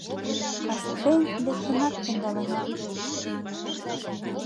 Кастен лектынат ӧндалына.